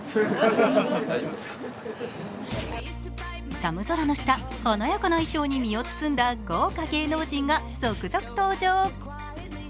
寒空の下、華やかな衣装に身を包んだ豪華芸能人が続々登場。